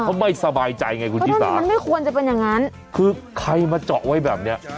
เขาไม่สบายใจไงคุณชิสามันไม่ควรจะเป็นอย่างนั้นคือใครมาเจาะไว้แบบเนี้ย